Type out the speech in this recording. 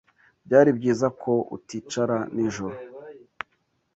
Byari byiza ko uticara nijoro